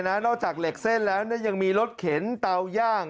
นอกจากเหล็กเส้นแล้วยังมีรถเข็นเตาย่าง